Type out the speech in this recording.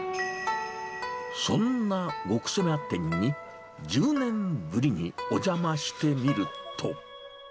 そんな極セマ店に、１０年ぶりにお邪魔してみると。